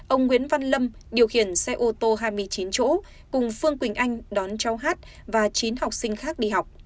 ông nguyễn văn lâm điều khiển xe ô tô hai mươi chín chỗ cùng phương quỳnh anh đón cháu hát và chín học sinh khác đi học